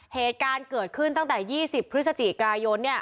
เหตุการณ์เกิดขึ้นตั้งแต่๒๐พฤศจิกายน